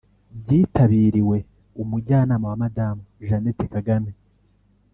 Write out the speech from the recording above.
byitabiriwe Umujyanama wa Madamu Jeannette Kagame